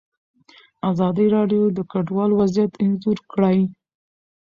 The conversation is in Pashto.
ازادي راډیو د کډوال وضعیت انځور کړی.